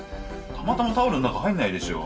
たまたまタオルの中入んないでしょ。